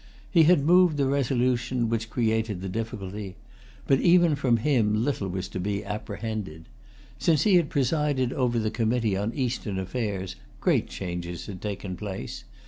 He had moved the resolution which created the difficulty; but even from him little was to be apprehended. Since he had presided over the committee on Eastern affairs, great changes had taken place.